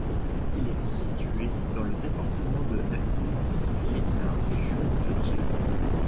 Il est situé dans le département de M'bour et la région de Thiès.